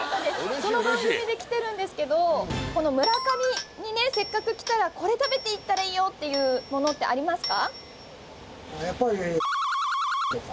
その番組で来てるんですけどこの村上にねせっかく来たらこれ食べていったらいいよっていうものってありますか？